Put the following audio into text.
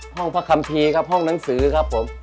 ห้องพระคัมภีร์ครับห้องหนังสือครับผม